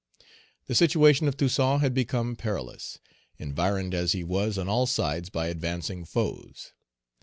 The situation of Toussaint had become perilous, environed as he was on all sides by advancing foes.